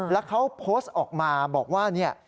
แล้วเขาโพสต์ออกมาบอกว่าเนี่ย